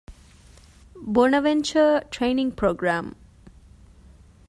ބޮނަވެންޗަރ ޓްރެއިނިންގ ޕްރޮގްރާމް